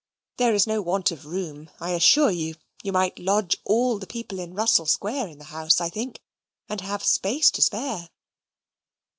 There is no want of room I assure you. You might lodge all the people in Russell Square in the house, I think, and have space to spare.